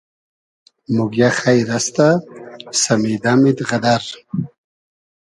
موگیۂ خݷر استۂ ؟ سئمیدئمید غئدئر